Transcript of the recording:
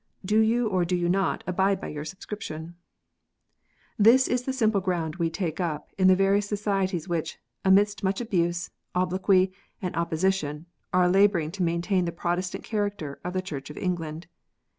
Do you or do you not abide by your subscription ?" This is the simple ground we take up in the various societies which, amidst much abuse, obloquy, and opposition, are labour ing to maintain the Protestant character of the Church of England.